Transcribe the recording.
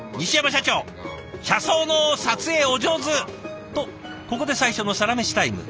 車窓の撮影お上手！とここで最初のサラメシタイム。